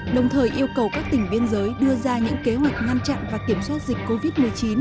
đồng thời yêu cầu các tỉnh biên giới đưa ra những kế hoạch ngăn chặn và kiểm soát dịch covid một mươi chín